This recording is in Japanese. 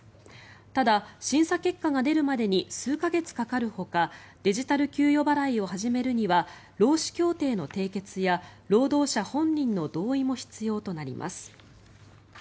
ただ、審査結果が出るまでに数か月かかるほかデジタル給与払いを始めるには労使協定の締結や労働者本人の同意も必要となります。